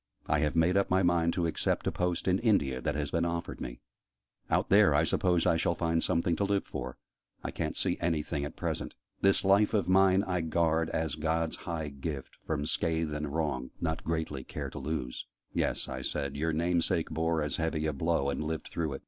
I have made up my mind to accept a post in India, that has been offered me. Out there, I suppose I shall find something to live for; I ca'n't see anything at present. 'This life of mine I guard, as God's high gift, from scathe and wrong, Not greatly care to lose!'" "Yes," I said: "your name sake bore as heavy a blow, and lived through it."